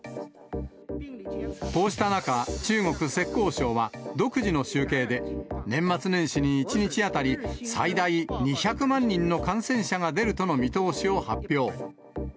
こうした中、中国・浙江省は、独自の集計で、年末年始に１日当たり最大２００万人の感染者が出るとの見通しを発表。